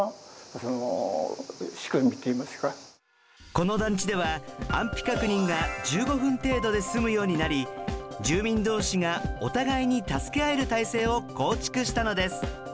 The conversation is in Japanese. この団地では安否確認が１５分程度で済むようになり住民どうしがお互いに助け合える体制を構築したのです。